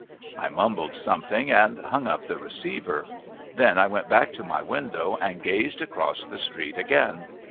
I mumbled something and hung up the receiver. Then I went back to my window and gazed across the street again.